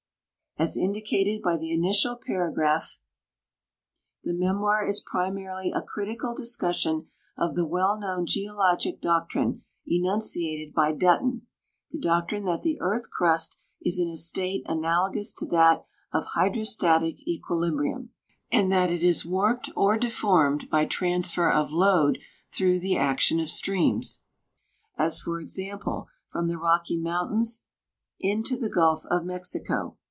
As indicated by the initial paragraph, the memoir is primarily a critical discussion of tlie well known geologic doctrine enunciated by Dutton — the doctrine that the earth crust is in a state analogous to that of hydrostatic equilibrium, and that it is warped or deformed by transfer of load through the action of streams, as, for example, from the Rocky mountains into the gulf of Mexico.